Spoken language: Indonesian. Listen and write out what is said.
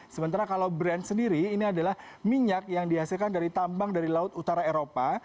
sementara kalau brand sendiri ini adalah minyak yang dihasilkan dari tambang dari laut utara eropa